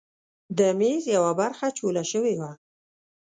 د میز یوه برخه چوله شوې وه.